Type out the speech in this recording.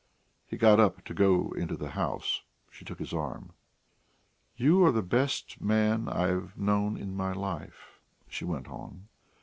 He got up to go into the house. She took his arm. "You are the best man I've known in my life," she went on.